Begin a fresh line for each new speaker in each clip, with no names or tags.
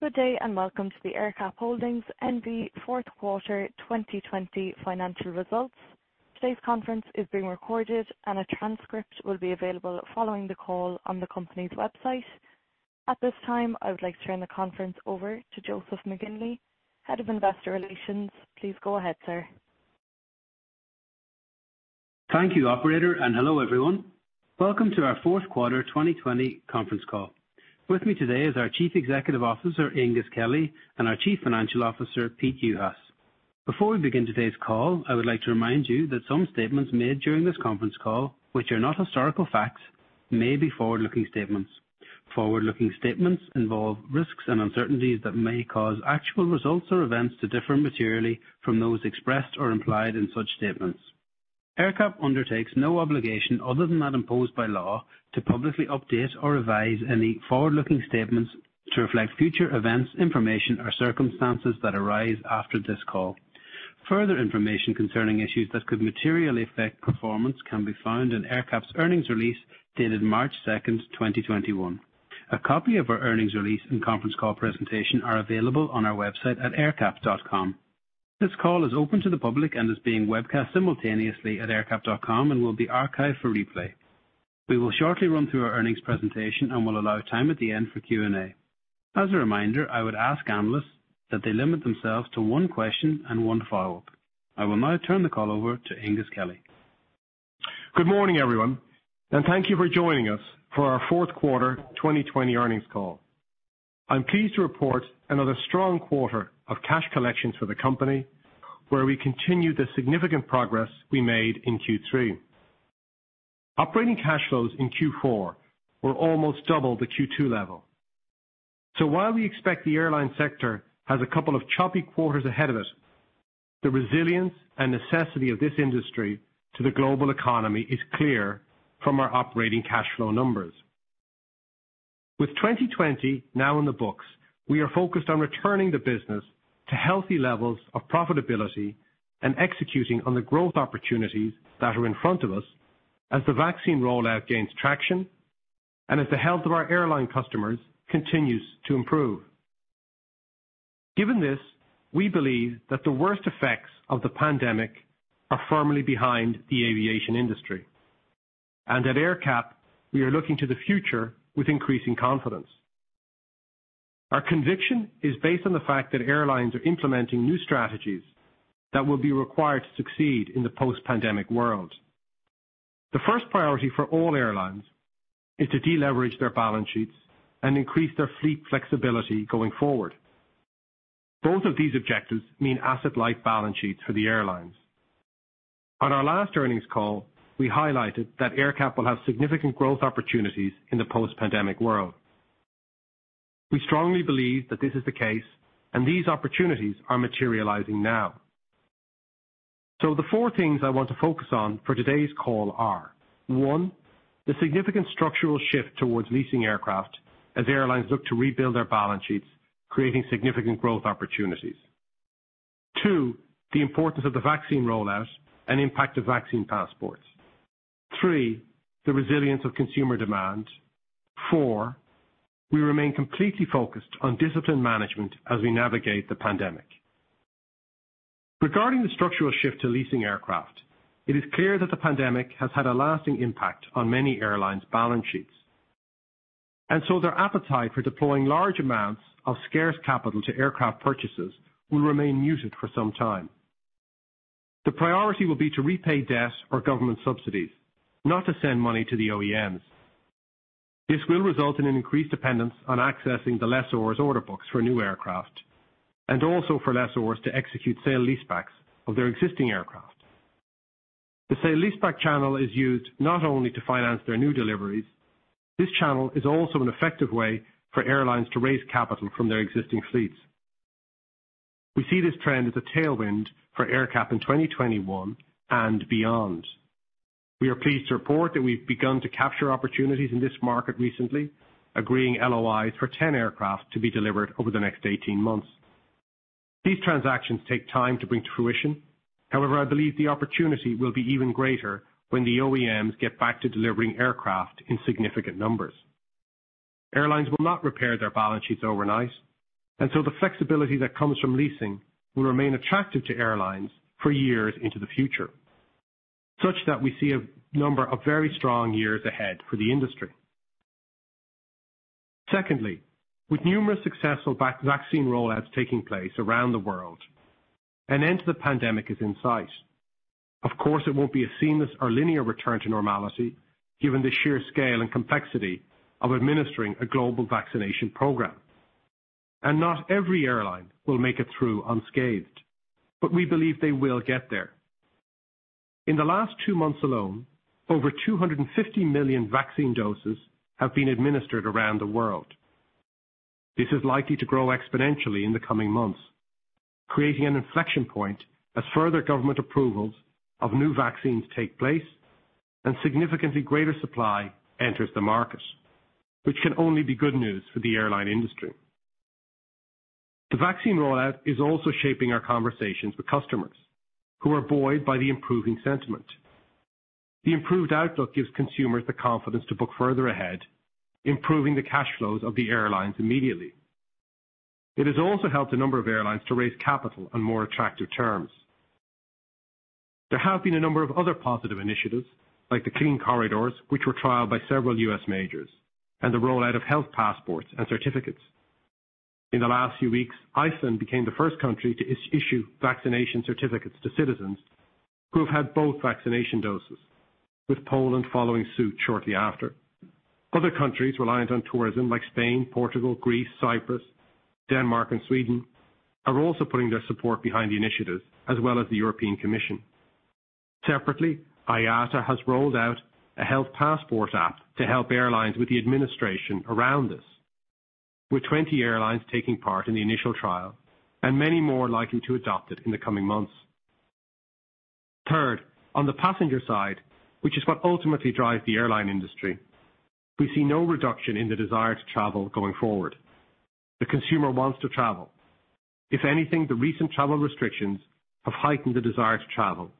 Good day, and welcome to the AerCap Holdings end of the fourth quarter 2020 financial results. Today's conference is being recorded, and a transcript will be available following the call on the company's website. At this time, I would like to turn the conference over to Joseph McGinley, Head of Investor Relations. Please go ahead, sir.
Thank you, Operator, and hello everyone. Welcome to our fourth quarter 2020 conference call. With me today is our Chief Executive Officer, Aengus Kelly, and our Chief Financial Officer, Pete Juhas. Before we begin today's call, I would like to remind you that some statements made during this conference call, which are not historical facts, may be forward-looking statements. Forward-looking statements involve risks and uncertainties that may cause actual results or events to differ materially from those expressed or implied in such statements. AerCap undertakes no obligation, other than that imposed by law, to publicly update or revise any forward-looking statements to reflect future events, information, or circumstances that arise after this call. Further information concerning issues that could materially affect performance can be found in AerCap's earnings release dated March 2nd, 2021. A copy of our earnings release and conference call presentation are available on our website at aercap.com. This call is open to the public and is being webcast simultaneously at aercap.com and will be archived for replay. We will shortly run through our earnings presentation and will allow time at the end for Q&A. As a reminder, I would ask analysts that they limit themselves to one question and one follow-up. I will now turn the call over to Aengus Kelly.
Good morning, everyone, and thank you for joining us for our fourth quarter 2020 earnings call. I'm pleased to report another strong quarter of cash collections for the company, where we continue the significant progress we made in Q3. Operating cash flows in Q4 were almost double the Q2 level. While we expect the airline sector has a couple of choppy quarters ahead of it, the resilience and necessity of this industry to the global economy is clear from our operating cash flow numbers. With 2020 now in the books, we are focused on returning the business to healthy levels of profitability and executing on the growth opportunities that are in front of us as the vaccine rollout gains traction and as the health of our airline customers continues to improve. Given this, we believe that the worst effects of the pandemic are firmly behind the aviation industry, and at AerCap, we are looking to the future with increasing confidence. Our conviction is based on the fact that airlines are implementing new strategies that will be required to succeed in the post-pandemic world. The first priority for all airlines is to deleverage their balance sheets and increase their fleet flexibility going forward. Both of these objectives mean asset-light balance sheets for the airlines. On our last earnings call, we highlighted that AerCap will have significant growth opportunities in the post-pandemic world. We strongly believe that this is the case, and these opportunities are materializing now. The four things I want to focus on for today's call are: one, the significant structural shift towards leasing aircraft as airlines look to rebuild their balance sheets, creating significant growth opportunities; two, the importance of the vaccine rollout and impact of vaccine passports; three, the resilience of consumer demand; four, we remain completely focused on discipline management as we navigate the pandemic. Regarding the structural shift to leasing aircraft, it is clear that the pandemic has had a lasting impact on many airlines' balance sheets, and so their appetite for deploying large amounts of scarce capital to aircraft purchases will remain muted for some time. The priority will be to repay debt or government subsidies, not to send money to the OEMs. This will result in an increased dependence on accessing the lessors' order books for new aircraft and also for lessors to execute sale lease-backs of their existing aircraft. The sale lease-back channel is used not only to finance their new deliveries; this channel is also an effective way for airlines to raise capital from their existing fleets. We see this trend as a tailwind for AerCap in 2021 and beyond. We are pleased to report that we've begun to capture opportunities in this market recently, agreeing LOIs for 10 aircraft to be delivered over the next 18 months. These transactions take time to bring to fruition. However, I believe the opportunity will be even greater when the OEMs get back to delivering aircraft in significant numbers. Airlines will not repair their balance sheets overnight, and so the flexibility that comes from leasing will remain attractive to airlines for years into the future, such that we see a number of very strong years ahead for the industry. Secondly, with numerous successful vaccine rollouts taking place around the world, an end to the pandemic is in sight. Of course, it will not be a seamless or linear return to normality given the sheer scale and complexity of administering a global vaccination program, and not every airline will make it through unscathed, but we believe they will get there. In the last two months alone, over 250 million vaccine doses have been administered around the world. This is likely to grow exponentially in the coming months, creating an inflection point as further government approvals of new vaccines take place and significantly greater supply enters the market, which can only be good news for the airline industry. The vaccine rollout is also shaping our conversations with customers who are buoyed by the improving sentiment. The improved outlook gives consumers the confidence to book further ahead, improving the cash flows of the airlines immediately. It has also helped a number of airlines to raise capital on more attractive terms. There have been a number of other positive initiatives, like the clean corridors, which were trialed by several U.S. majors, and the rollout of health passports and certificates. In the last few weeks, Iceland became the first country to issue vaccination certificates to citizens who have had both vaccination doses, with Poland following suit shortly after. Other countries reliant on tourism, like Spain, Portugal, Greece, Cyprus, Denmark, and Sweden, are also putting their support behind the initiatives, as well as the European Commission. Separately, IATA has rolled out a health passport app to help airlines with the administration around this, with 20 airlines taking part in the initial trial and many more likely to adopt it in the coming months. Third, on the passenger side, which is what ultimately drives the airline industry, we see no reduction in the desire to travel going forward. The consumer wants to travel. If anything, the recent travel restrictions have heightened the desire to travel,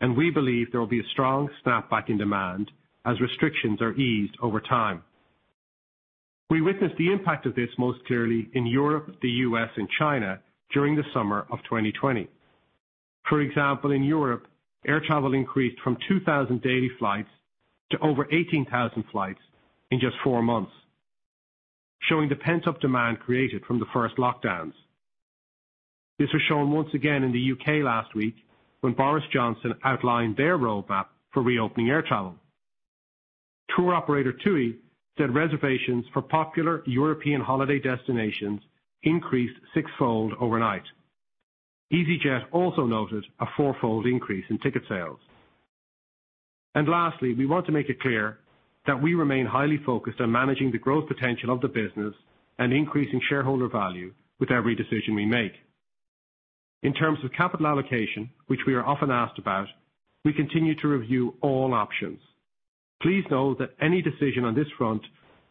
and we believe there will be a strong snapback in demand as restrictions are eased over time. We witnessed the impact of this most clearly in Europe, the U.S., and China during the summer of 2020. For example, in Europe, air travel increased from 2,000 daily flights to over 18,000 flights in just four months, showing the pent-up demand created from the first lockdowns. This was shown once again in the U.K. last week when Boris Johnson outlined their roadmap for reopening air travel. Tour operator TUI said reservations for popular European holiday destinations increased sixfold overnight. easyJet also noted a fourfold increase in ticket sales. Lastly, we want to make it clear that we remain highly focused on managing the growth potential of the business and increasing shareholder value with every decision we make. In terms of capital allocation, which we are often asked about, we continue to review all options. Please note that any decision on this front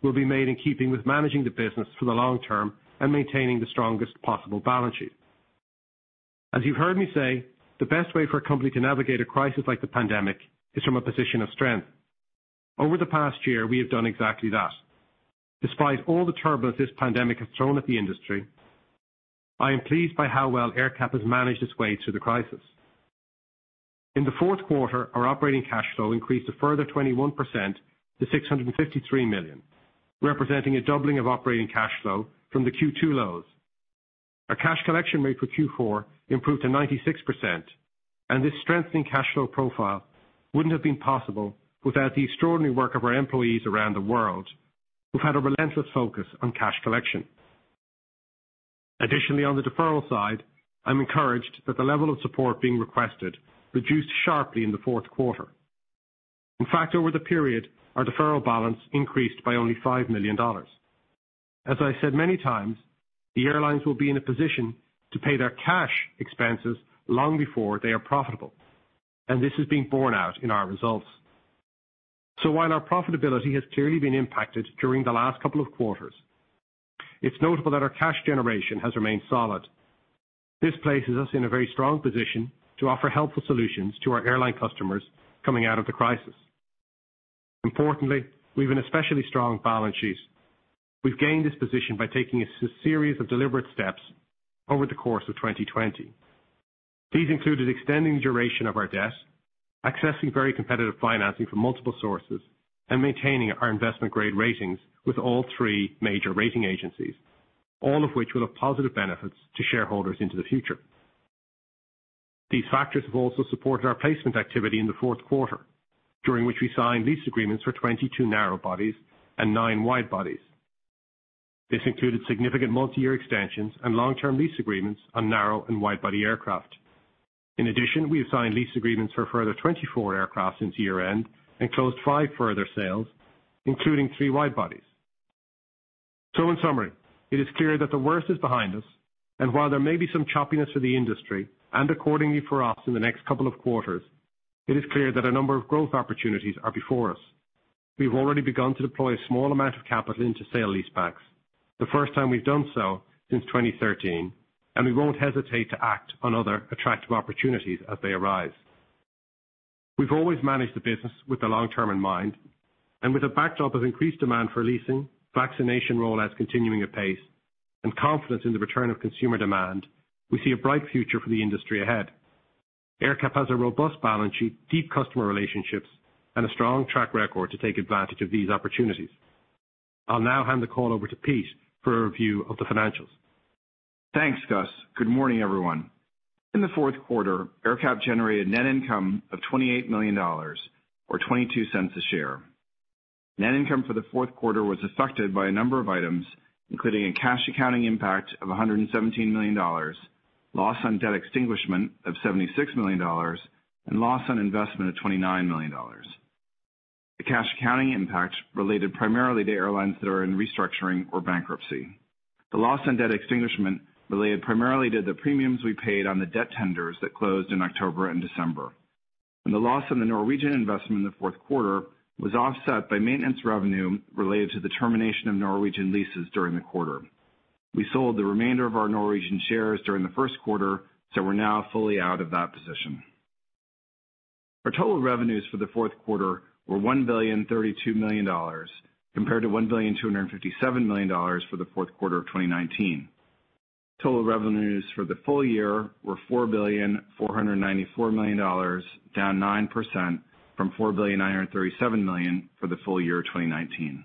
will be made in keeping with managing the business for the long term and maintaining the strongest possible balance sheet. As you've heard me say, the best way for a company to navigate a crisis like the pandemic is from a position of strength. Over the past year, we have done exactly that. Despite all the turbulence this pandemic has thrown at the industry, I am pleased by how well AerCap has managed its way through the crisis. In the fourth quarter, our operating cash flow increased a further 21% to $653 million, representing a doubling of operating cash flow from the Q2 lows. Our cash collection rate for Q4 improved to 96%, and this strengthening cash flow profile would not have been possible without the extraordinary work of our employees around the world, who've had a relentless focus on cash collection. Additionally, on the deferral side, I'm encouraged that the level of support being requested reduced sharply in the fourth quarter. In fact, over the period, our deferral balance increased by only $5 million. As I said many times, the airlines will be in a position to pay their cash expenses long before they are profitable, and this is being borne out in our results. While our profitability has clearly been impacted during the last couple of quarters, it's notable that our cash generation has remained solid. This places us in a very strong position to offer helpful solutions to our airline customers coming out of the crisis. Importantly, we've an especially strong balance sheet. We've gained this position by taking a series of deliberate steps over the course of 2020. These included extending the duration of our debt, accessing very competitive financing from multiple sources, and maintaining our investment-grade ratings with all three major rating agencies, all of which will have positive benefits to shareholders into the future. These factors have also supported our placement activity in the fourth quarter, during which we signed lease agreements for 22 narrow bodies and 9 wide bodies. This included significant multi-year extensions and long-term lease agreements on narrow and wide-body aircraft. In addition, we have signed lease agreements for a further 24 aircraft since year-end and closed five further sales, including three wide bodies. In summary, it is clear that the worst is behind us, and while there may be some choppiness for the industry and accordingly for us in the next couple of quarters, it is clear that a number of growth opportunities are before us. We've already begun to deploy a small amount of capital into sale lease-backs, the first time we've done so since 2013, and we won't hesitate to act on other attractive opportunities as they arise. We've always managed the business with the long term in mind, and with a backdrop of increased demand for leasing, vaccination rollouts continuing at pace, and confidence in the return of consumer demand, we see a bright future for the industry ahead. AerCap has a robust balance sheet, deep customer relationships, and a strong track record to take advantage of these opportunities. I'll now hand the call over to Pete for a review of the financials.
Thanks, Gus. Good morning, everyone. In the fourth quarter, AerCap generated net income of $28 million, or $0.22 a share. Net income for the fourth quarter was affected by a number of items, including a cash accounting impact of $117 million, loss on debt extinguishment of $76 million, and loss on investment of $29 million. The cash accounting impact related primarily to airlines that are in restructuring or bankruptcy. The loss on debt extinguishment related primarily to the premiums we paid on the debt tenders that closed in October and December, and the loss on the Norwegian investment in the fourth quarter was offset by maintenance revenue related to the termination of Norwegian leases during the quarter. We sold the remainder of our Norwegian shares during the first quarter, so we're now fully out of that position. Our total revenues for the fourth quarter were $1,032 million compared to $1,257 million for the fourth quarter of 2019. Total revenues for the full year were $4,494 million, down 9% from $4,937 million for the full year of 2019.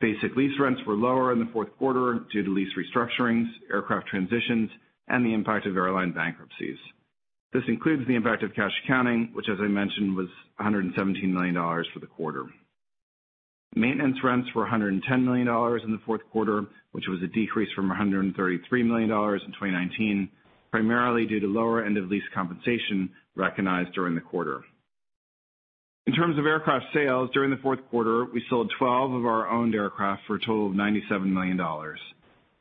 Basic lease rents were lower in the fourth quarter due to lease restructurings, aircraft transitions, and the impact of airline bankruptcies. This includes the impact of cash accounting, which, as I mentioned, was $117 million for the quarter. Maintenance rents were $110 million in the fourth quarter, which was a decrease from $133 million in 2019, primarily due to lower end of lease compensation recognized during the quarter. In terms of aircraft sales during the fourth quarter, we sold 12 of our owned aircraft for a total of $97 million.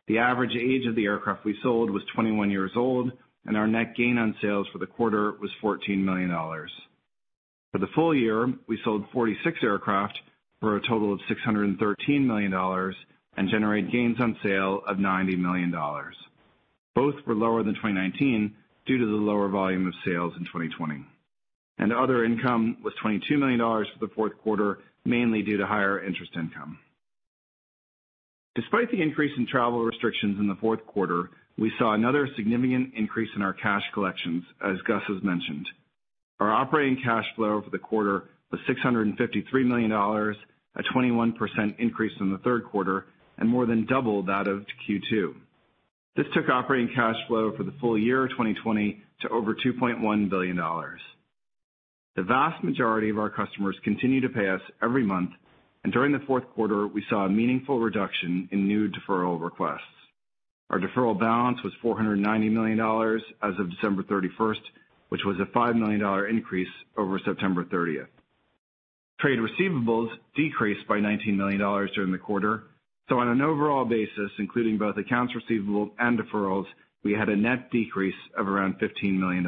The average age of the aircraft we sold was 21 years old, and our net gain on sales for the quarter was $14 million. For the full year, we sold 46 aircraft for a total of $613 million and generated gains on sale of $90 million. Both were lower than 2019 due to the lower volume of sales in 2020. Other income was $22 million for the fourth quarter, mainly due to higher interest income. Despite the increase in travel restrictions in the fourth quarter, we saw another significant increase in our cash collections, as Gus has mentioned. Our operating cash flow for the quarter was $653 million, a 21% increase in the third quarter, and more than double that of Q2. This took operating cash flow for the full year of 2020 to over $2.1 billion. The vast majority of our customers continue to pay us every month, and during the fourth quarter, we saw a meaningful reduction in new deferral requests. Our deferral balance was $490 million as of December 31st, which was a $5 million increase over September 30th. Trade receivables decreased by $19 million during the quarter, so on an overall basis, including both accounts receivable and deferrals, we had a net decrease of around $15 million.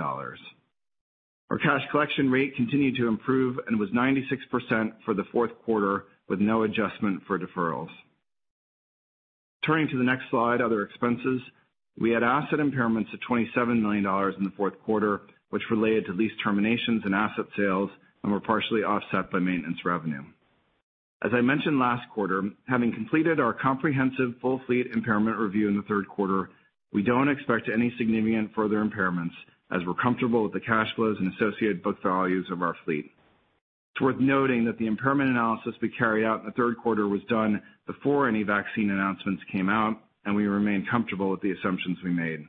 Our cash collection rate continued to improve and was 96% for the fourth quarter, with no adjustment for deferrals. Turning to the next slide, other expenses, we had asset impairments of $27 million in the fourth quarter, which related to lease terminations and asset sales and were partially offset by maintenance revenue. As I mentioned last quarter, having completed our comprehensive full fleet impairment review in the third quarter, we do not expect any significant further impairments as we are comfortable with the cash flows and associated book values of our fleet. It is worth noting that the impairment analysis we carried out in the third quarter was done before any vaccine announcements came out, and we remained comfortable with the assumptions we made.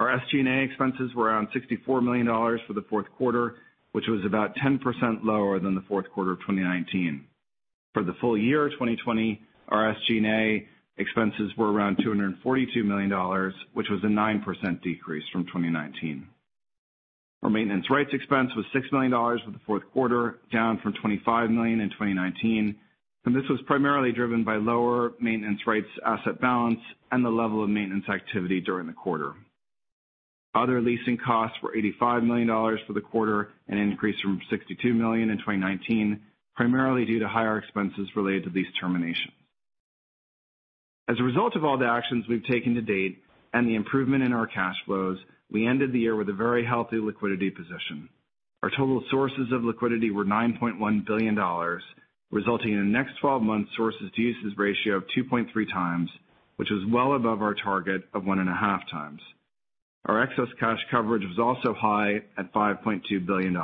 Our SG&A expenses were around $64 million for the fourth quarter, which was about 10% lower than the fourth quarter of 2019. For the full year of 2020, our SG&A expenses were around $242 million, which was a 9% decrease from 2019. Our maintenance rights expense was $6 million for the fourth quarter, down from $25 million in 2019, and this was primarily driven by lower maintenance rights asset balance and the level of maintenance activity during the quarter. Other leasing costs were $85 million for the quarter, an increase from $62 million in 2019, primarily due to higher expenses related to lease terminations. As a result of all the actions we've taken to date and the improvement in our cash flows, we ended the year with a very healthy liquidity position. Our total sources of liquidity were $9.1 billion, resulting in a next 12 months' sources to uses ratio of 2.3 times, which was well above our target of 1.5x. Our excess cash coverage was also high at $5.2 billion.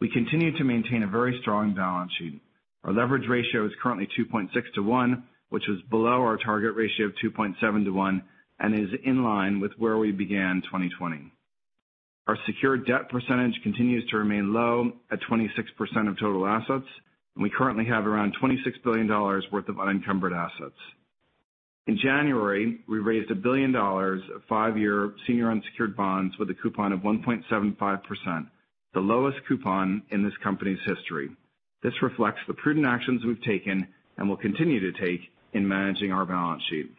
We continue to maintain a very strong balance sheet. Our leverage ratio is currently 2.6 to 1, which was below our target ratio of 2.7 to 1, and is in line with where we began 2020. Our secured debt percentage continues to remain low at 26% of total assets, and we currently have around $26 billion worth of unencumbered assets. In January, we raised $1 billion of five-year senior unsecured bonds with a coupon of 1.75%, the lowest coupon in this company's history. This reflects the prudent actions we've taken and will continue to take in managing our balance sheet.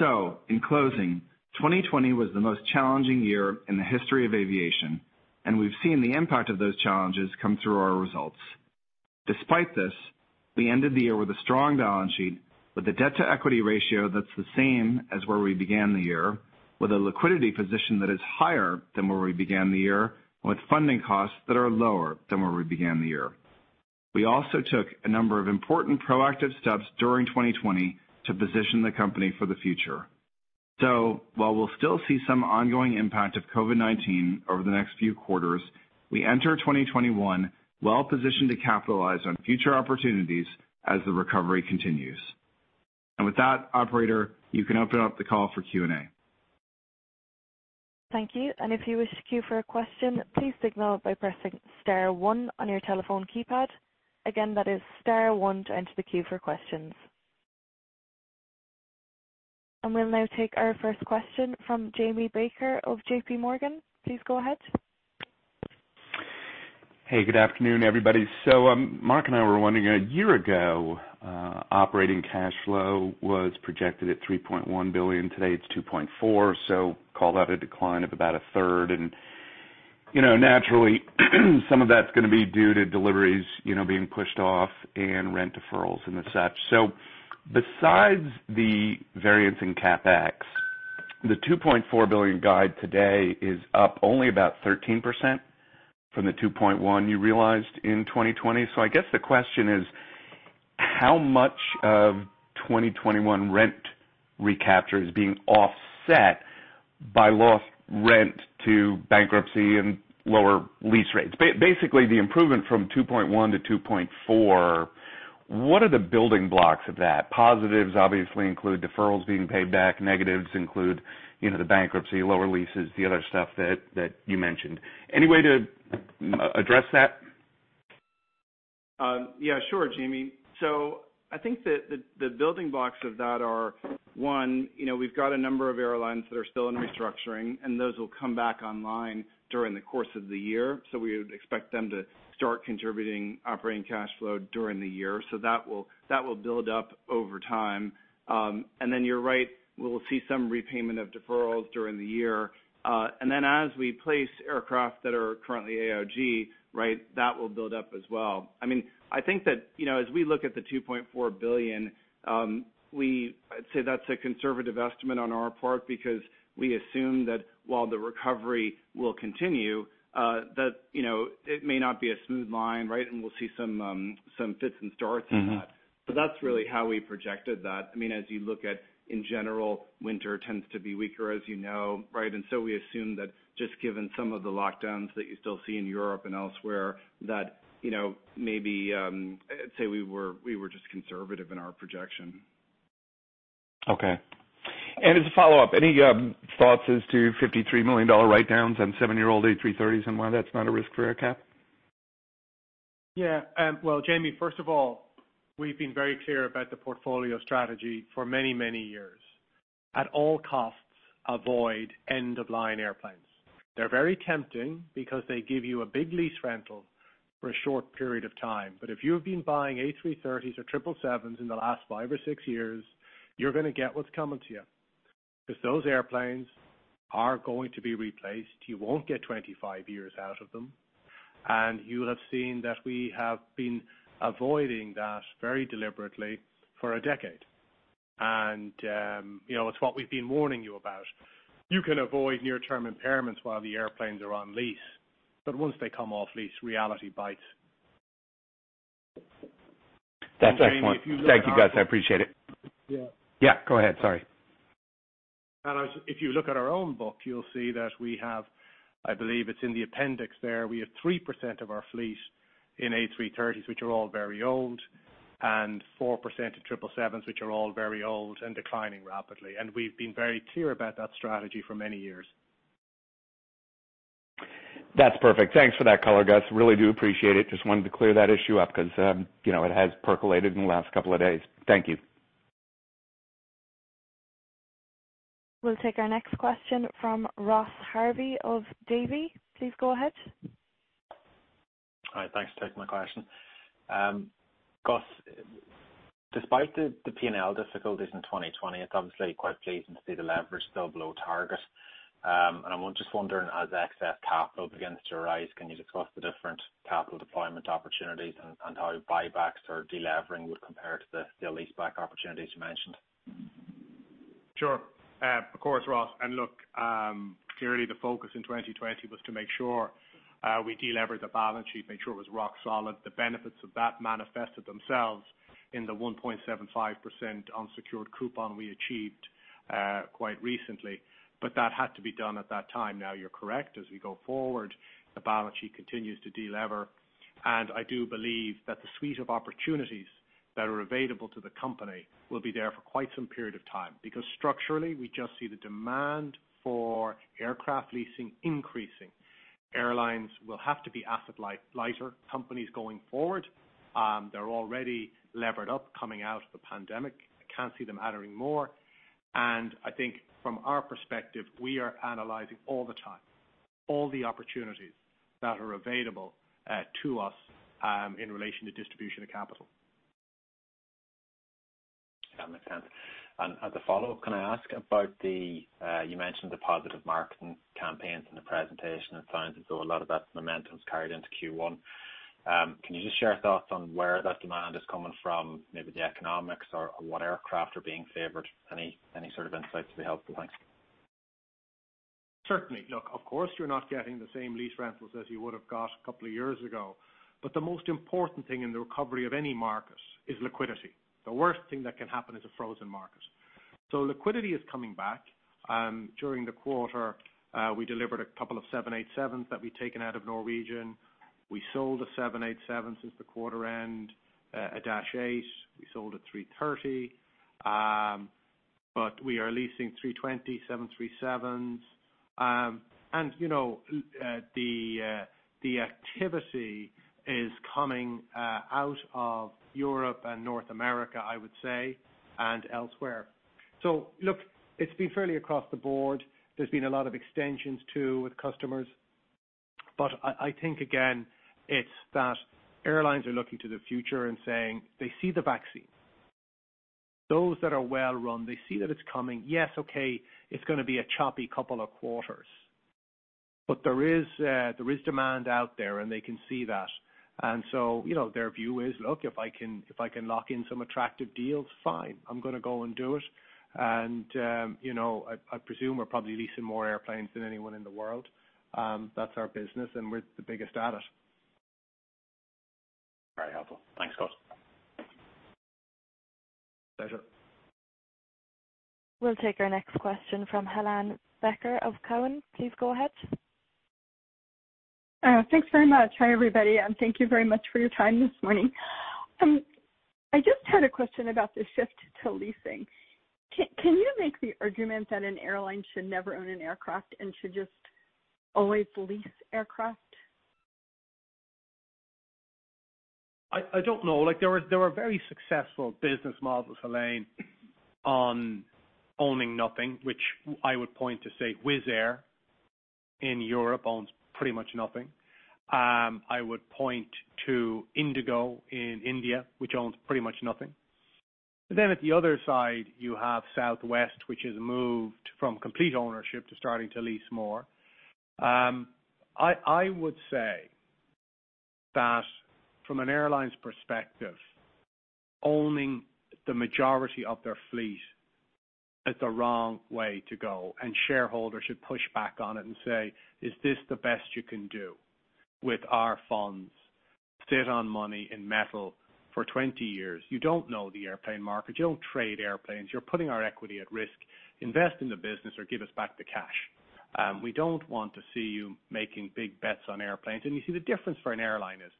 In closing, 2020 was the most challenging year in the history of aviation, and we've seen the impact of those challenges come through our results. Despite this, we ended the year with a strong balance sheet, with a debt to equity ratio that's the same as where we began the year, with a liquidity position that is higher than where we began the year, and with funding costs that are lower than where we began the year. We also took a number of important proactive steps during 2020 to position the company for the future. While we will still see some ongoing impact of COVID-19 over the next few quarters, we enter 2021 well-positioned to capitalize on future opportunities as the recovery continues. With that, operator, you can open up the call for Q&A.
Thank you. If you wish to queue for a question, please signal by pressing star one on your telephone keypad. Again, that is star one to enter the queue for questions. We will now take our first question from Jamie Baker of JPMorgan. Please go ahead.
Hey, good afternoon, everybody. Mark and I were wondering, a year ago, operating cash flow was projected at $3.1 billion. Today, it's $2.4 billion, so call that a decline of about a third. You know, naturally, some of that's going to be due to deliveries being pushed off and rent deferrals and such. Besides the variance in CapEx, the $2.4 billion guide today is up only about 13% from the $2.1 billion you realized in 2020. I guess the question is, how much of 2021 rent recapture is being offset by lost rent to bankruptcy and lower lease rates? Basically, the improvement from $2.1 billion to $2.4 billion, what are the building blocks of that? Positives obviously include deferrals being paid back. Negatives include, you know, the bankruptcy, lower leases, the other stuff that you mentioned. Any way to address that?
Yeah, sure, Jamie. So I think that the building blocks of that are, one, you know, we've got a number of airlines that are still in restructuring, and those will come back online during the course of the year. So we would expect them to start contributing operating cash flow during the year. So that will build up over time. And then you're right, we'll see some repayment of deferrals during the year. And then as we place aircraft that are currently AOG, right, that will build up as well. I mean, I think that, you know, as we look at the $2.4 billion, we'd say that's a conservative estimate on our part because we assume that while the recovery will continue, that, you know, it may not be a smooth line, right, and we'll see some fits and starts in that. That's really how we projected that. I mean, as you look at, in general, winter tends to be weaker, as you know, right? We assume that just given some of the lockdowns that you still see in Europe and elsewhere, that, you know, maybe, I'd say we were just conservative in our projection.
Okay. As a follow-up, any thoughts as to $53 million write-downs on seven-year-old A330s and why that's not a risk for AerCap?
Yeah. Jamie, first of all, we've been very clear about the portfolio strategy for many, many years. At all costs, avoid end-of-line airplanes. They're very tempting because they give you a big lease rental for a short period of time. If you've been buying A330s or 777s in the last five or six years, you're going to get what's coming to you because those airplanes are going to be replaced. You won't get 25 years out of them. You have seen that we have been avoiding that very deliberately for a decade. You know, it's what we've been warning you about. You can avoid near-term impairments while the airplanes are on lease, but once they come off lease, reality bites.
That's excellent. Thank you, Gus. I appreciate it.
Yeah.
Yeah, go ahead. Sorry.
If you look at our own book, you'll see that we have, I believe it's in the appendix there, we have 3% of our fleet in A330s, which are all very old, and 4% of 777s, which are all very old and declining rapidly. We've been very clear about that strategy for many years.
That's perfect. Thanks for that color, Gus. Really do appreciate it. Just wanted to clear that issue up because, you know, it has percolated in the last couple of days. Thank you.
We'll take our next question from Ross Harvey of Davy. Please go ahead.
Hi. Thanks for taking my question. Gus, despite the P&L difficulties in 2020, it's obviously quite pleasing to see the leverage still below target. I'm just wondering, as excess capital begins to arise, can you discuss the different capital deployment opportunities and how buybacks or delevering would compare to the lease-back opportunities you mentioned?
Sure. Of course, Ross. And look, clearly the focus in 2020 was to make sure we delevered the balance sheet, made sure it was rock solid. The benefits of that manifested themselves in the 1.75% unsecured coupon we achieved, quite recently. But that had to be done at that time. Now, you're correct. As we go forward, the balance sheet continues to delever. And I do believe that the suite of opportunities that are available to the company will be there for quite some period of time because structurally, we just see the demand for aircraft leasing increasing. Airlines will have to be asset-lighter companies going forward. They're already levered up coming out of the pandemic. I can't see them adding more. And I think from our perspective, we are analyzing all the time, all the opportunities that are available to us, in relation to distribution of capital.
That makes sense. As a follow-up, can I ask about the, you mentioned the positive marketing campaigns in the presentation and it sounds as though a lot of that momentum's carried into Q1. Can you just share thoughts on where that demand is coming from, maybe the economics or what aircraft are being favored? Any sort of insights would be helpful. Thanks.
Certainly. Look, of course, you're not getting the same lease rentals as you would have got a couple of years ago. The most important thing in the recovery of any market is liquidity. The worst thing that can happen is a frozen market. Liquidity is coming back. During the quarter, we delivered a couple of 787s that we'd taken out of Norwegian. We sold a 787 since the quarter end, a Dash 8. We sold a 330. We are leasing 320 737s. You know, the activity is coming out of Europe and North America, I would say, and elsewhere. It's been fairly across the board. There's been a lot of extensions too with customers. I think, again, it's that airlines are looking to the future and saying they see the vaccine. Those that are well-run, they see that it's coming. Yes, okay, it's going to be a choppy couple of quarters. There is demand out there, and they can see that. You know, their view is, "Look, if I can, if I can lock in some attractive deals, fine. I'm going to go and do it." You know, I presume we're probably leasing more airplanes than anyone in the world. That's our business, and we're the biggest at it.
Very helpful. Thanks, Gus.
Pleasure.
We'll take our next question from Helane Becker of Cowen. Please go ahead.
Thanks very much. Hi, everybody, and thank you very much for your time this morning. I just had a question about the shift to leasing. Can you make the argument that an airline should never own an aircraft and should just always lease aircraft?
I don't know. Like, there were very successful business models, Helene, on owning nothing, which I would point to say Wizz Air in Europe owns pretty much nothing. I would point to IndiGo in India, which owns pretty much nothing. At the other side, you have Southwest, which has moved from complete ownership to starting to lease more. I would say that from an airline's perspective, owning the majority of their fleet is the wrong way to go. Shareholders should push back on it and say, "Is this the best you can do with our funds? Sit on money in metal for 20 years. You don't know the airplane market. You don't trade airplanes. You're putting our equity at risk. Invest in the business or give us back the cash. We don't want to see you making big bets on airplanes. You see, the difference for an airline is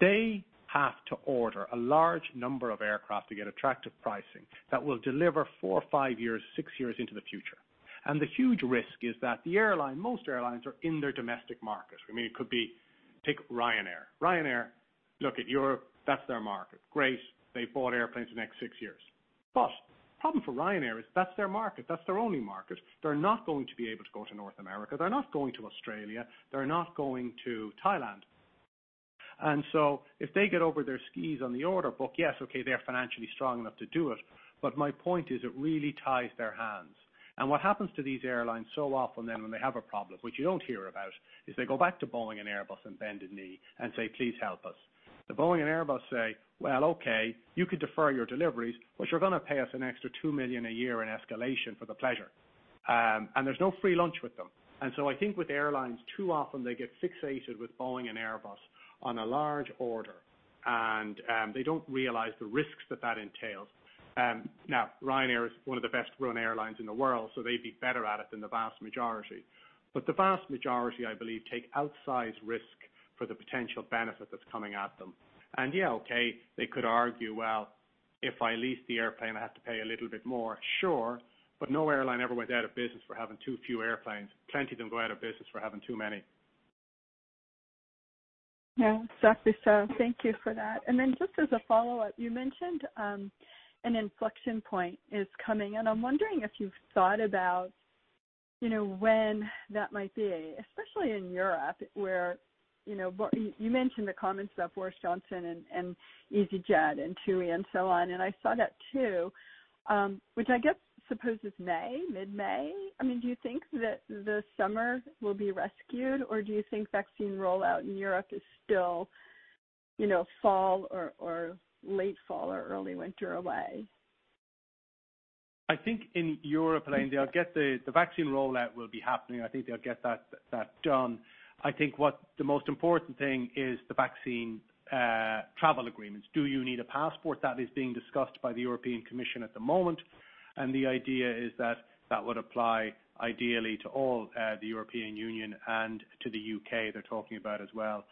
they have to order a large number of aircraft to get attractive pricing that will deliver four, five, six years into the future. The huge risk is that the airline, most airlines are in their domestic markets. I mean, take Ryanair. Ryanair, look at Europe. That's their market. Great. They bought airplanes for the next six years. The problem for Ryanair is that's their market. That's their only market. They're not going to be able to go to North America. They're not going to Australia. They're not going to Thailand. If they get over their skis on the order book, yes, okay, they're financially strong enough to do it. My point is it really ties their hands. What happens to these airlines so often then when they have a problem, which you do not hear about, is they go back to Boeing and Airbus and bend a knee and say, "Please help us." Boeing and Airbus say, "Well, okay, you could defer your deliveries, but you are going to pay us an extra $2 million a year in escalation for the pleasure." There is no free lunch with them. I think with airlines, too often they get fixated with Boeing and Airbus on a large order, and they do not realize the risks that that entails. Now, Ryanair is one of the best-run airlines in the world, so they would be better at it than the vast majority. The vast majority, I believe, take outsized risk for the potential benefit that is coming at them. Yeah, okay, they could argue, "Well, if I lease the airplane, I have to pay a little bit more." Sure. No airline ever went out of business for having too few airplanes. Plenty of them go out of business for having too many.
Yeah. Exactly. Thank you for that. Just as a follow-up, you mentioned an inflection point is coming. I'm wondering if you've thought about when that might be, especially in Europe where you mentioned the comments about Boris Johnson and easyJet and TUI and so on. I saw that too, which I guess supposes May, mid-May. I mean, do you think that the summer will be rescued, or do you think vaccine rollout in Europe is still, you know, fall or late fall or early winter away?
I think in Europe and India, I'll get the vaccine rollout will be happening. I think they'll get that done. I think what the most important thing is the vaccine, travel agreements. Do you need a passport? That is being discussed by the European Commission at the moment. The idea is that that would apply ideally to all the European Union and to the U.K. they're talking about as well.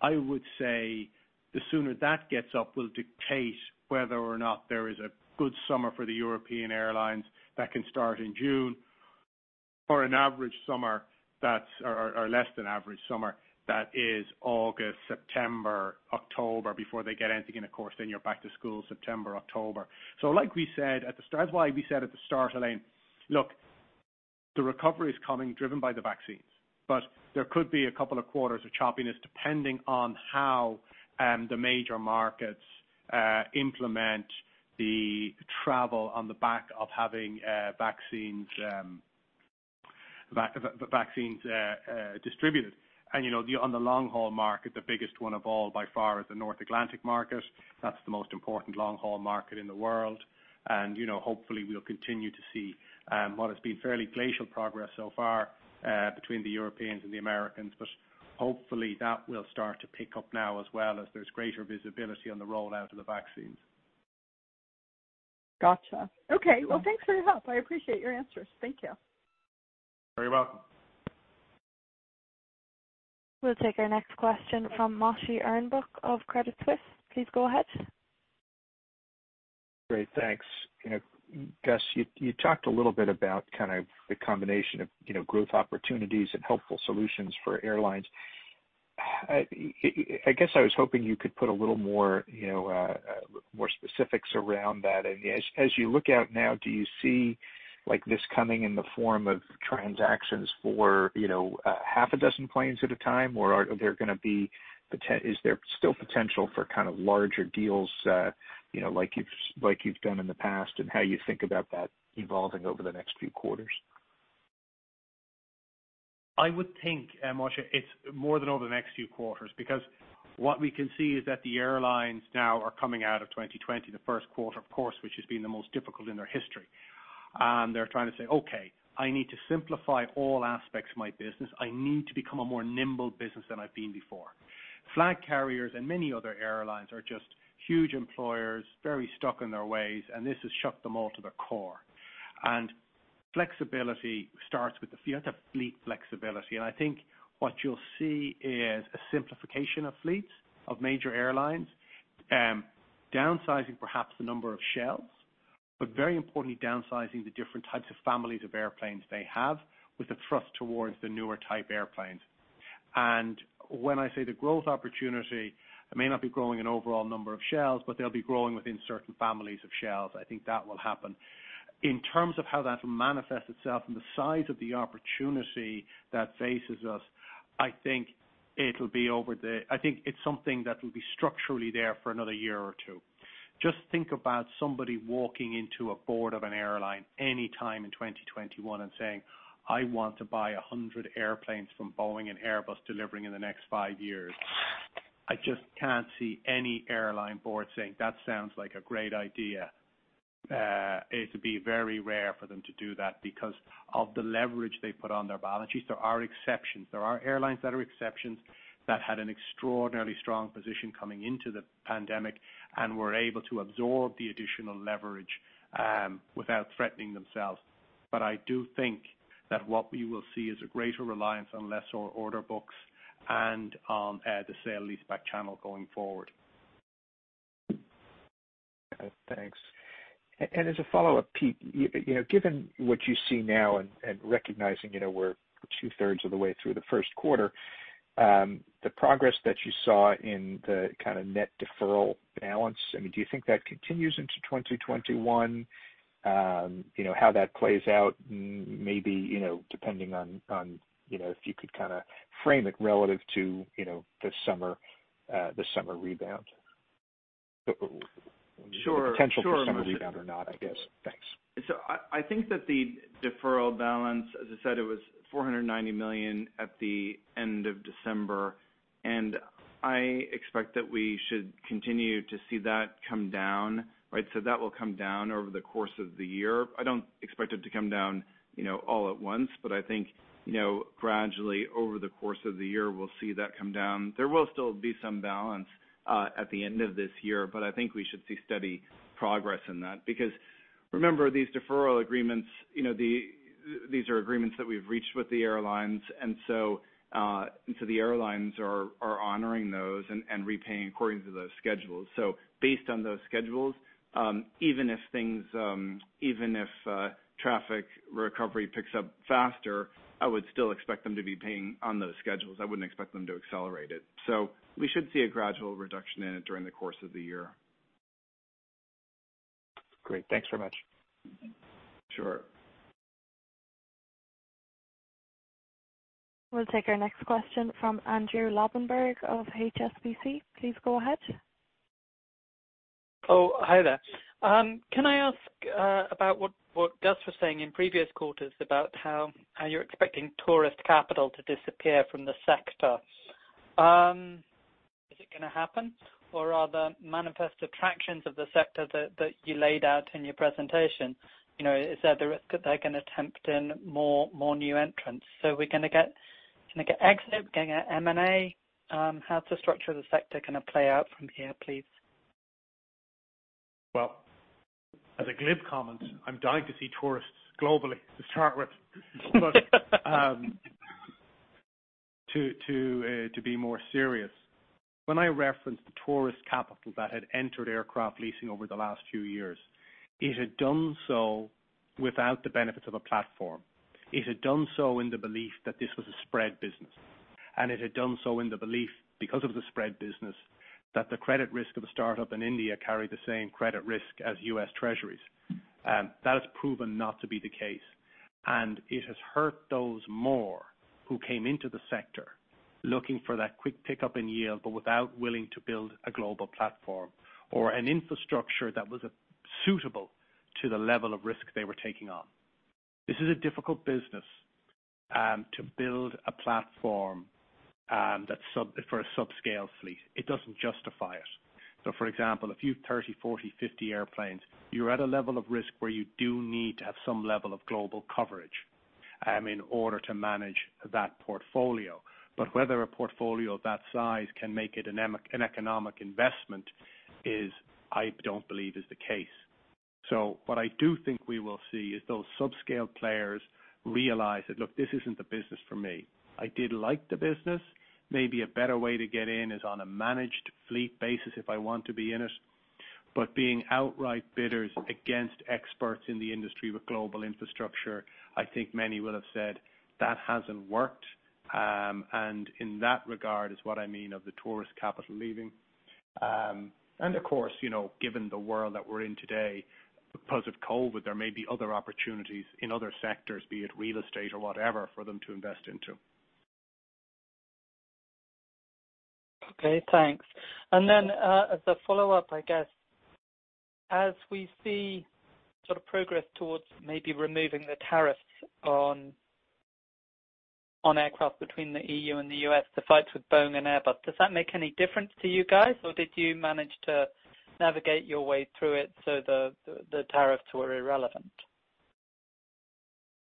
I would say the sooner that gets up will dictate whether or not there is a good summer for the European airlines that can start in June or an average summer that's or less than average summer that is August, September, October before they get anything in the course. You are back to school September, October. Like we said at the start, that's why we said at the start, Helane, look, the recovery is coming driven by the vaccines. There could be a couple of quarters of choppiness depending on how the major markets implement the travel on the back of having vaccines, vaccines distributed. You know, on the long-haul market, the biggest one of all by far is the North Atlantic market. That's the most important long-haul market in the world. You know, hopefully we'll continue to see what has been fairly glacial progress so far between the Europeans and the Americans. Hopefully that will start to pick up now as well as there's greater visibility on the rollout of the vaccines.
Gotcha. Okay. Thanks for your help. I appreciate your answers. Thank you.
You're very welcome.
We'll take our next question from Moshe Orenbuch of Credit Suisse. Please go ahead.
Great. Thanks. You know, Gus, you talked a little bit about kind of the combination of, you know, growth opportunities and helpful solutions for airlines. I guess I was hoping you could put a little more, you know, more specifics around that. As you look out now, do you see like this coming in the form of transactions for, you know, half a dozen planes at a time? Is there still potential for kind of larger deals, you know, like you've done in the past? How do you think about that evolving over the next few quarters?
I would think, Moshe, it's more than over the next few quarters because what we can see is that the airlines now are coming out of 2020, the first quarter, of course, which has been the most difficult in their history. They're trying to say, "Okay, I need to simplify all aspects of my business. I need to become a more nimble business than I've been before." Flag carriers and many other airlines are just huge employers, very stuck in their ways, and this has shut them all to their core. Flexibility starts with the fleet. You have to have fleet flexibility. I think what you'll see is a simplification of fleets of major airlines, downsizing perhaps the number of shells, but very importantly, downsizing the different types of families of airplanes they have with the thrust towards the newer type airplanes. And when I say the growth opportunity, it may not be growing an overall number of shells, but they'll be growing within certain families of shells. I think that will happen. In terms of how that will manifest itself and the size of the opportunity that faces us, I think it'll be. I think it's something that will be structurally there for another year or two. Just think about somebody walking into a board of an airline anytime in 2021 and saying, "I want to buy 100 airplanes from Boeing and Airbus delivering in the next five years." I just can't see any airline board saying, "That sounds like a great idea." It would be very rare for them to do that because of the leverage they put on their balance sheets. There are exceptions. There are airlines that are exceptions that had an extraordinarily strong position coming into the pandemic and were able to absorb the additional leverage, without threatening themselves. But I do think that what we will see is a greater reliance on lesser order books and on the sale-leaseback channel going forward.
Okay. Thanks. And as a follow-up, Pete, you know, given what you see now and, and recognizing, you know, we're two-thirds of the way through the first quarter, the progress that you saw in the kind of net deferral balance, I mean, do you think that continues into 2021? You know, how that plays out, maybe, you know, depending on, on, you know, if you could kind of frame it relative to, you know, the summer, the summer rebound.
Sure.
Potential for a summer rebound or not, I guess. Thanks.
I think that the deferral balance, as I said, it was $490 million at the end of December. And I expect that we should continue to see that come down, right? That will come down over the course of the year. I don't expect it to come down, you know, all at once. But I think, you know, gradually over the course of the year, we'll see that come down. There will still be some balance, at the end of this year. But I think we should see steady progress in that. Because remember, these deferral agreements, you know, these are agreements that we've reached with the airlines. And so the airlines are honoring those and repaying according to those schedules. Based on those schedules, even if traffic recovery picks up faster, I would still expect them to be paying on those schedules. I wouldn't expect them to accelerate it. We should see a gradual reduction in it during the course of the year.
Great. Thanks very much.
Sure.
We'll take our next question from Andrew Lobbenberg of HSBC. Please go ahead.
Oh, hi there. Can I ask about what Gus was saying in previous quarters about how you're expecting tourist capital to disappear from the sector? Is it going to happen? Or are there manifest attractions of the sector that you laid out in your presentation? You know, is there the risk that they're going to tempt in more new entrants? So we're going to get exit, we're going to get M&A. How's the structure of the sector going to play out from here, please?
As a glib comment, I'm dying to see tourists globally to start with. But to be more serious, when I referenced the tourist capital that had entered aircraft leasing over the last few years, it had done so without the benefits of a platform. It had done so in the belief that this was a spread business. And it had done so in the belief, because of the spread business, that the credit risk of a startup in India carried the same credit risk as U.S. Treasuries. That has proven not to be the case. And it has hurt those more who came into the sector looking for that quick pickup in yield but without willing to build a global platform or an infrastructure that was suitable to the level of risk they were taking on. This is a difficult business to build a platform that's subpar for a subscale fleet. It doesn't justify it. So for example, if you have 30, 40, 50 airplanes, you're at a level of risk where you do need to have some level of global coverage in order to manage that portfolio. But whether a portfolio of that size can make it an economic investment is, I don't believe, the case. So what I do think we will see is those subscale players realize that, "Look, this isn't the business for me. I did like the business. Maybe a better way to get in is on a managed fleet basis if I want to be in it," but being outright bidders against experts in the industry with global infrastructure, I think many will have said, "That hasn't worked," and in that regard is what I mean of the tourist capital leaving, and of course, you know, given the world that we're in today, because of COVID, there may be other opportunities in other sectors, be it real estate or whatever, for them to invest into.
Okay. Thanks. And then, as a follow-up, I guess, as we see sort of progress towards maybe removing the tariffs on aircraft between the E.U. and the U.S. to fight with Boeing and Airbus, does that make any difference to you guys? Or did you manage to navigate your way through it so the tariffs were irrelevant?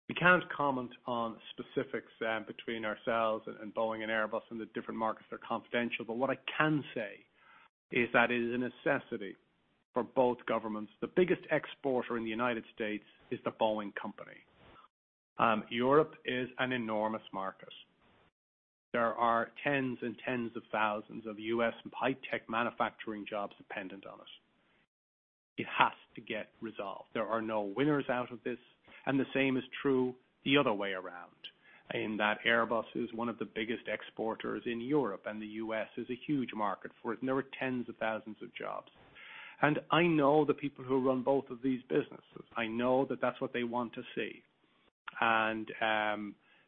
We can't comment on specifics between ourselves and Boeing and Airbus and the different markets. They're confidential. But what I can say is that it is a necessity for both governments. The biggest exporter in the United States is the Boeing Company. Europe is an enormous market. There are tens and tens of thousands of U.S. high-tech manufacturing jobs dependent on us. It has to get resolved. There are no winners out of this. And the same is true the other way around. And that Airbus is one of the biggest exporters in Europe. And the U.S. is a huge market for it. And there are tens of thousands of jobs. And I know the people who run both of these businesses. I know that that's what they want to see. And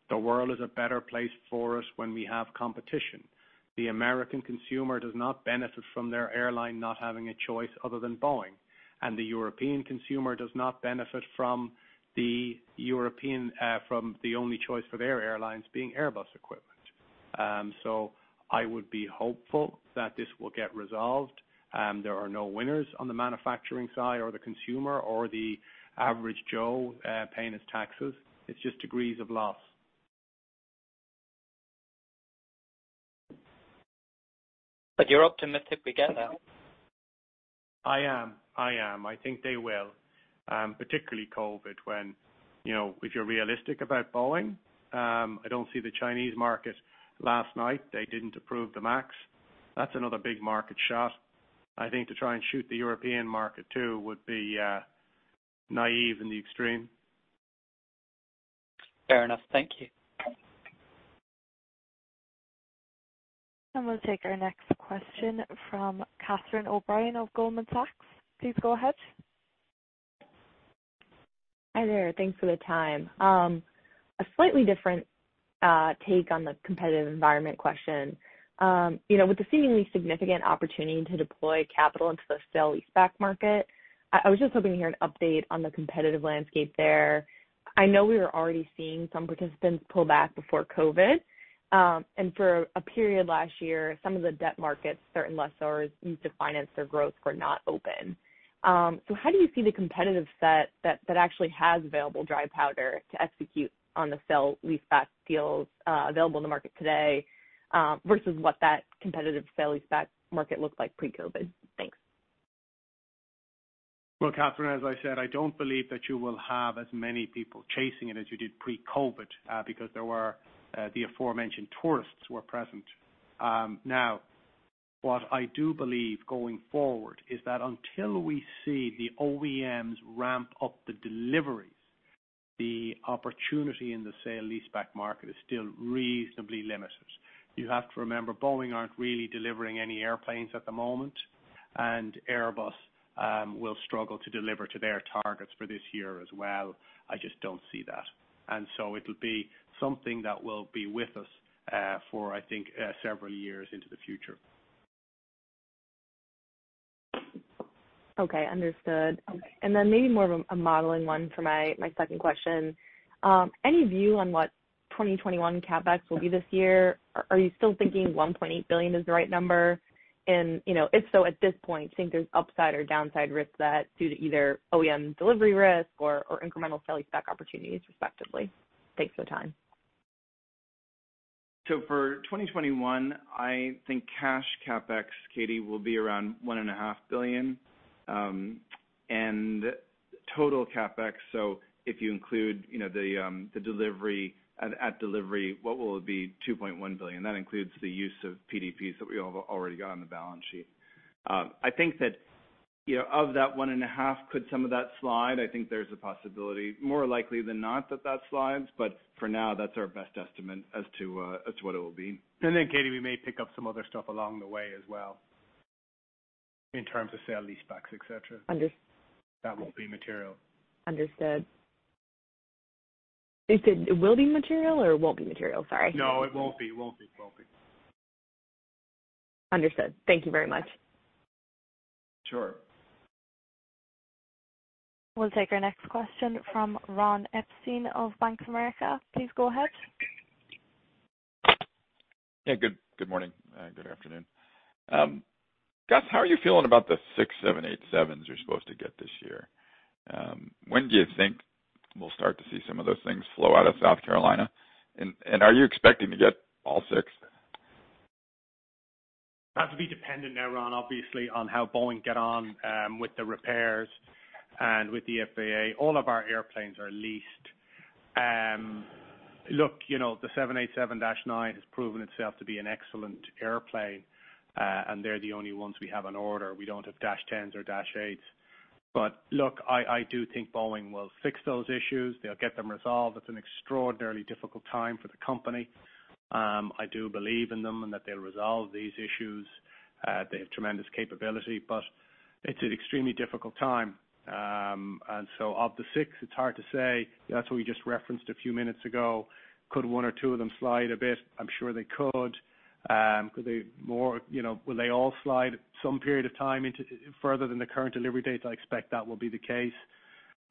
the world is a better place for us when we have competition. The American consumer does not benefit from their airline not having a choice other than Boeing, and the European consumer does not benefit from the European, from the only choice for their airlines being Airbus equipment. So I would be hopeful that this will get resolved. There are no winners on the manufacturing side or the consumer or the average Joe, paying his taxes. It's just degrees of loss.
But you're optimistic we get there?
I think they will, particularly COVID when, you know, if you're realistic about Boeing. I don't see the Chinese market. Last night, they didn't approve the MAX. That's another big market shot. I think to try and shoot the European market too would be naive in the extreme.
Fair enough. Thank you.
We will take our next question from Catherine O'Brien of Goldman Sachs. Please go ahead.
Hi there. Thanks for the time. A slightly different take on the competitive environment question. You know, with the seemingly significant opportunity to deploy capital into the sale lease-back market, I was just hoping to hear an update on the competitive landscape there. I know we were already seeing some participants pull back before COVID. For a period last year, some of the debt markets certain lessors used to finance their growth were not open. How do you see the competitive set that actually has available dry powder to execute on the sale lease-back deals available in the market today, versus what that competitive sale lease-back market looked like pre-COVID? Thanks.
Catherine, as I said, I do not believe that you will have as many people chasing it as you did pre-COVID, because there were, the aforementioned tourists were present. Now, what I do believe going forward is that until we see the OEMs ramp up the deliveries, the opportunity in the sale lease-back market is still reasonably limited. You have to remember, Boeing are not really delivering any airplanes at the moment. And Airbus will struggle to deliver to their targets for this year as well. I just do not see that. It will be something that will be with us, for, I think, several years into the future.
Okay. Understood. Maybe more of a modeling one for my second question. Any view on what 2021 CapEx will be this year? Are you still thinking $1.8 billion is the right number? If so, at this point, do you think there's upside or downside risk that due to either OEM delivery risk or incremental sale lease-back opportunities respectively? Thanks for the time.
For 2021, I think cash CapEx, Catie, will be around $1.5 billion. Total CapEx, so if you include, you know, the delivery at delivery, what will it be? $2.1 billion. That includes the use of PDPs that we already have on the balance sheet. I think that, you know, of that $1.5 billion, could some of that slide? I think there's a possibility, more likely than not, that that slides. For now, that's our best estimate as to what it will be. Catie, we may pick up some other stuff along the way as well in terms of sale lease-backs, etc.
Understood.
That will be material.
Understood. You said it will be material or it won't be material? Sorry.
No, it won't be. It won't be.
Understood. Thank you very much.
Sure.
We'll take our next question from Ron Epstein of Bank of America. Please go ahead.
Hey, good morning. Good afternoon. Gus, how are you feeling about the 787s you're supposed to get this year? When do you think we'll start to see some of those things flow out of South Carolina? Are you expecting to get all six?
That'll be dependent, now, Ron, obviously, on how Boeing get on, with the repairs and with the FAA. All of our airplanes are leased. Look, you know, the 787-9 has proven itself to be an excellent airplane. And they're the only ones we have on order. We don't have -10s or -8s. Look, I do think Boeing will fix those issues. They'll get them resolved. It's an extraordinarily difficult time for the company. I do believe in them and that they'll resolve these issues. They have tremendous capability. It's an extremely difficult time. Of the six, it's hard to say. That's what we just referenced a few minutes ago. Could one or two of them slide a bit? I'm sure they could. Could they more, you know, will they all slide some period of time into further than the current delivery date? I expect that will be the case.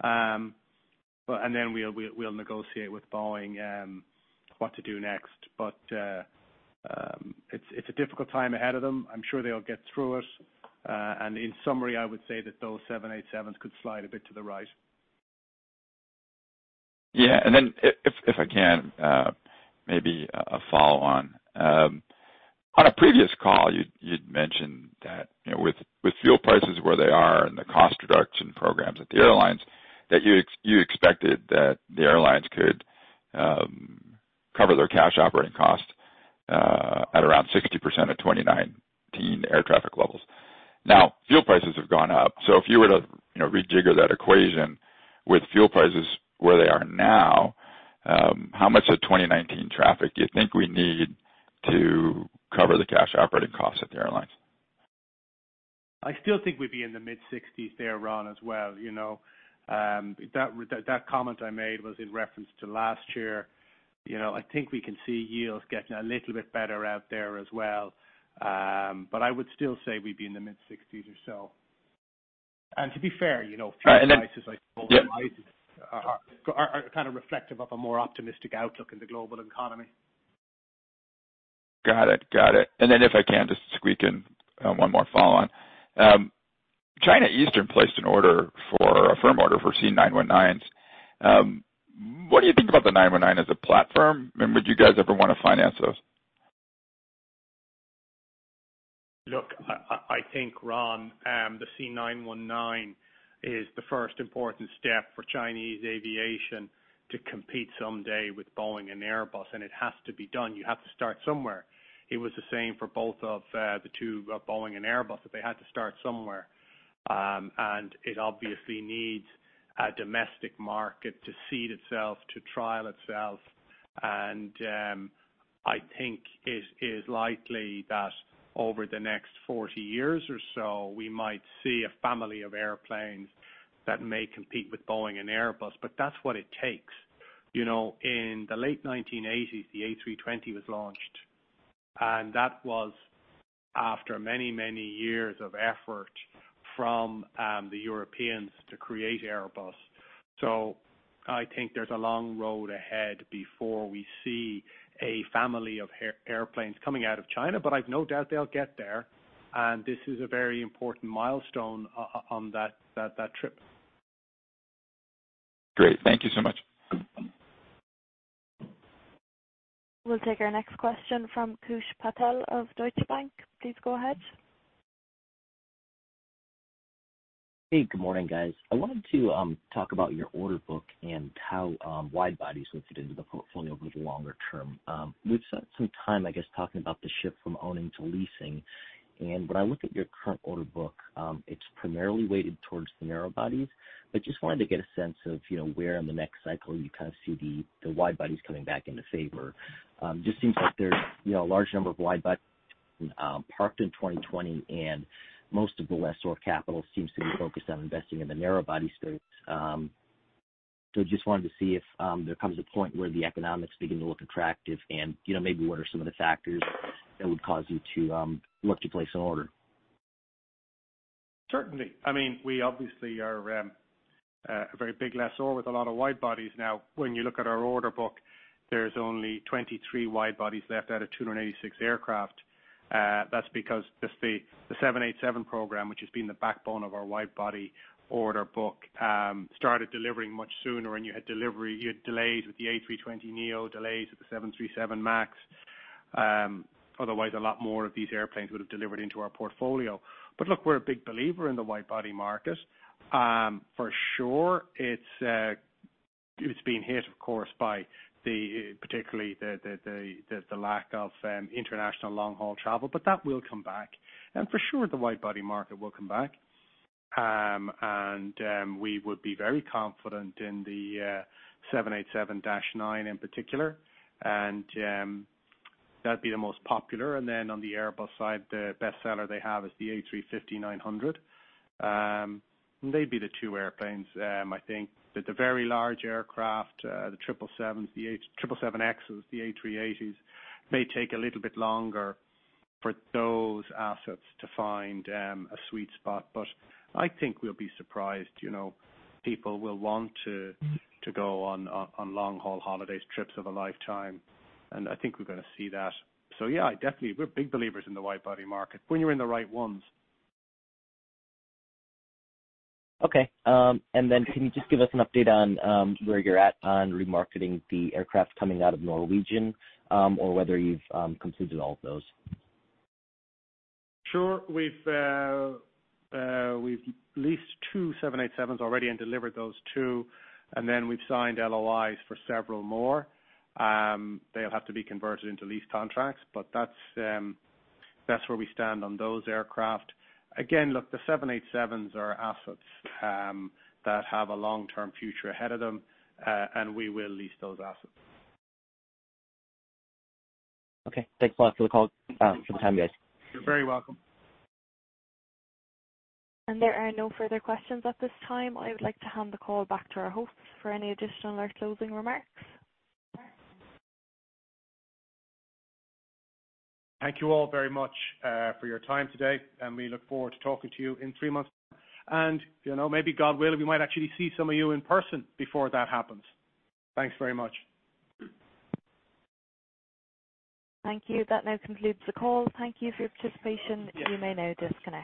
Then we'll negotiate with Boeing what to do next. It's a difficult time ahead of them. I'm sure they'll get through it. In summary, I would say that those 787s could slide a bit to the right.
Yeah. If I can, maybe a follow-on. On a previous call, you'd mentioned that, you know, with fuel prices where they are and the cost reduction programs at the airlines, that you expected that the airlines could cover their cash operating cost at around 60% of 2019 air traffic levels. Now, fuel prices have gone up. If you were to, you know, rejigger that equation with fuel prices where they are now, how much of 2019 traffic do you think we need to cover the cash operating costs at the airlines?
I still think we'd be in the mid-60s there, Ron, as well. You know, that comment I made was in reference to last year. You know, I think we can see yields getting a little bit better out there as well. I would still say we'd be in the mid-60s or so. To be fair, you know, fuel prices. I suppose prices are kind of reflective of a more optimistic outlook in the global economy.
Got it. Got it. If I can, just squeak in one more follow-on. China Eastern placed a firm order for C919s. What do you think about the 919 as a platform? Would you guys ever want to finance those?
Look, I think, Ron, the C919 is the first important step for Chinese aviation to compete someday with Boeing and Airbus. It has to be done. You have to start somewhere. It was the same for both of the two, Boeing and Airbus, that they had to start somewhere. It obviously needs a domestic market to seed itself, to trial itself. I think it is likely that over the next 40 years or so, we might see a family of airplanes that may compete with Boeing and Airbus. That's what it takes. You know, in the late 1980s, the A320 was launched. That was after many, many years of effort from the Europeans to create Airbus. I think there's a long road ahead before we see a family of airplanes coming out of China. I've no doubt they'll get there. This is a very important milestone on that trip. Great. Thank you so much.
We'll take our next question from Koosh Patel of Deutsche Bank. Please go ahead.
Hey, good morning, guys. I wanted to talk about your order book and how wide bodies looked into the portfolio over the longer term. We've spent some time, I guess, talking about the shift from owning to leasing. And when I look at your current order book, it's primarily weighted towards the narrow bodies. But just wanted to get a sense of, you know, where in the next cycle you kind of see the wide bodies coming back into favor. Just seems like there's, you know, a large number of wide bodies parked in 2020. And most of the lessor capital seems to be focused on investing in the narrow body space. Just wanted to see if there comes a point where the economics begin to look attractive and, you know, maybe what are some of the factors that would cause you to look to place an order.
Certainly. I mean, we obviously are a very big lessor with a lot of wide bodies now. When you look at our order book, there's only 23 wide bodies left out of 286 aircraft. That's because just the 787 program, which has been the backbone of our wide body order book, started delivering much sooner. You had delays with the A320neo, delays with the 737 MAX. Otherwise, a lot more of these airplanes would have delivered into our portfolio. Look, we're a big believer in the wide body market. For sure, it's been hit, of course, particularly by the lack of international long-haul travel. That will come back. For sure, the wide body market will come back. We would be very confident in the 787-9 in particular. That'd be the most popular. On the Airbus side, the best seller they have is the A350-900. They'd be the two airplanes, I think. The very large aircraft, the 777s, the 777Xs, the A380s, may take a little bit longer for those assets to find a sweet spot. I think we'll be surprised. You know, people will want to go on long-haul holidays, trips of a lifetime. I think we're going to see that. Yeah, I definitely think we're big believers in the wide body market when you're in the right ones.
Okay. Can you just give us an update on where you're at on remarketing the aircraft coming out of Norwegian, or whether you've completed all of those?
Sure. We've leased two 787s already and delivered those two. Then we've signed LOIs for several more. They'll have to be converted into lease contracts. That's where we stand on those aircraft. Again, look, the 787s are assets that have a long-term future ahead of them, and we will lease those assets.
Okay. Thanks a lot for the call, for the time, guys.
You're very welcome.
There are no further questions at this time. I would like to hand the call back to our hosts for any additional or closing remarks.
Thank you all very much for your time today. We look forward to talking to you in three months. You know, maybe God willing, we might actually see some of you in person before that happens. Thanks very much.
Thank you. That now concludes the call. Thank you for your participation.
Yeah.
You may now disconnect.